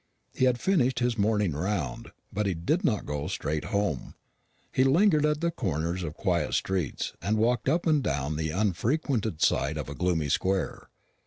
He had finished his morning round, but he did not go straight home. He lingered at the corners of quiet streets, and walked up and down the unfrequented side of a gloomy square.